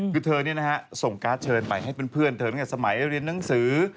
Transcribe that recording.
คือเธอส่งการ์ดเชิญไปให้เพื่อนเธอตั้งแต่สมัยเรียนหนังสือ